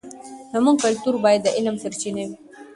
زموږ کلتور باید د علم سرچینه وي.